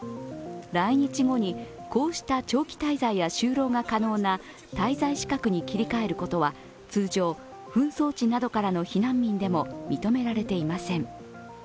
来日後に、こうした長期滞在や就労が可能な滞在資格に切り替えることは通常、紛争地などからの避難民でも認められていません。